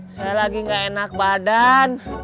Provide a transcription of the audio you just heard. saya lagi gak enak badan